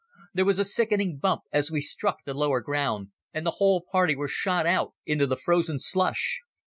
There was a sickening bump as we struck the lower ground, and the whole party were shot out into the frozen slush.